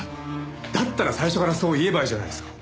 だったら最初からそう言えばいいじゃないですか。